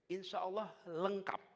insya allah lengkap